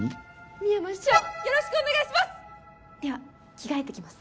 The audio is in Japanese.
深山師匠よろしくお願いします！